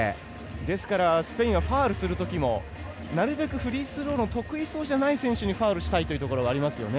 ですからスペインはファウルをするときもなるべくフリースローの得意じゃない選手にファウルしたいというところがありますよね。